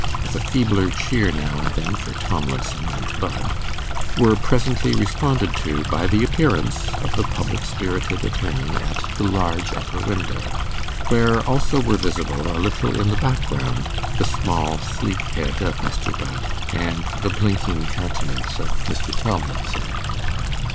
with a feebler cheer now and then for Tomlinson and Budd, were presently responded to by the appearance of the public spirited attorney at the large upper window, where also were visible a little in the background the small sleek head of Mr. Budd, and the blinking countenance of Mr. Tomlinson.